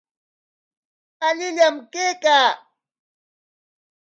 Allillam kaykaa.